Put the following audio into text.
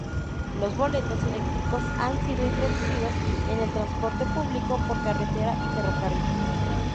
Los boletos electrónicos han sido introducidos en el transporte público, por carretera y ferrocarril.